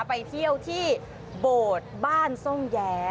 ไปเที่ยวที่โบสถ์บ้านทรงแย้